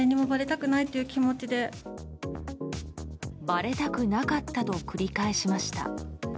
ばれたくなかったと繰り返しました。